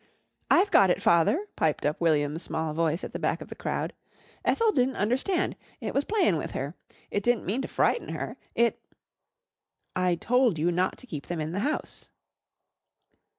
"I've got it, Father," piped up William's small voice at the back of the crowd. "Ethel di'n't understand. It was playin' with her. It di'n't mean to frighten her. It " "I told you not to keep them in the house."